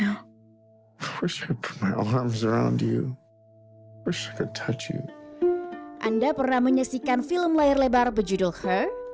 anda pernah menyaksikan film layar lebar berjudul har